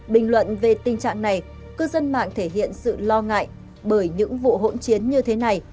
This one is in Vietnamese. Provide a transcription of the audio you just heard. bình luận về tình trạng này cư dân mạng thể hiện sự lo ngại bởi những vụ hỗn chiến như thế này